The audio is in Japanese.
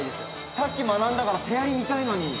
◆さっき学んだから手やりを見たいのに。